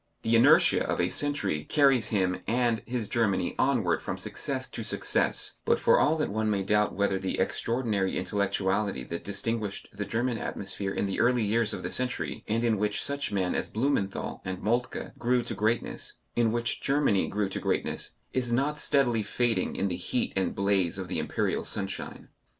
The inertia of a century carries him and his Germany onward from success to success, but for all that one may doubt whether the extraordinary intellectuality that distinguished the German atmosphere in the early years of the century, and in which such men as Blumenthal and Moltke grew to greatness, in which Germany grew to greatness, is not steadily fading in the heat and blaze of the Imperial sunshine.